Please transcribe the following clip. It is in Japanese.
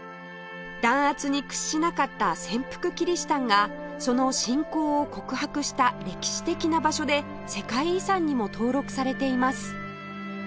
弾圧に屈しなかった潜伏キリシタンがその信仰を告白した歴史的な場所で世界遺産にも登録されています